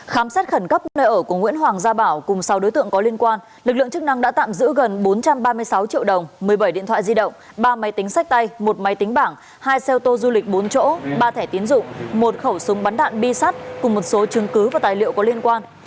khám xét khẩn cấp nơi ở của nguyễn hoàng gia bảo cùng sáu đối tượng có liên quan lực lượng chức năng đã tạm giữ gần bốn trăm ba mươi sáu triệu đồng một mươi bảy điện thoại di động ba máy tính sách tay một máy tính bảng hai xe ô tô du lịch bốn chỗ ba thẻ tiến dụng một khẩu súng bắn đạn bi sắt cùng một số chứng cứ và tài liệu có liên quan